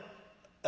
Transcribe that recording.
「え？